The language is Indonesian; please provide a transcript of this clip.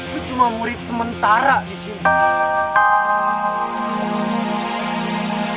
kau cuma murid sementara disini